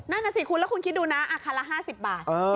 นั่นนะสิคุณแล้วคุณคิดดูนะอาคารละ๕๐บาท๑๐๐๐๐ก็๕๐๐บาท